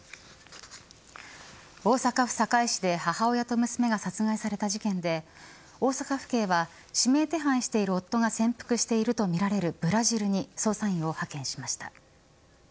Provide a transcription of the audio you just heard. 大阪府堺市で母親と娘が殺害された事件で大阪府警は指名手配している夫が潜伏しているとみられるブラジルに捜査員を発見しました。